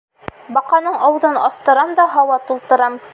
— Баҡаның ауыҙын астырам да һауа тултырам.